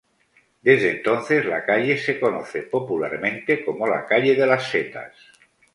Desde entonces, la calle se conoce popularmente como la calle de las Setas.